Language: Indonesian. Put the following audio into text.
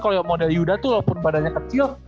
kalau model yuda tuh walaupun badannya kecil